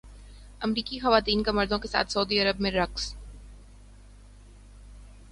امریکی خواتین کا مردوں کے ساتھ سعودی عرب میں رقص